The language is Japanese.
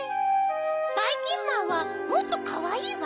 ばいきんまんはもっとかわいいわ。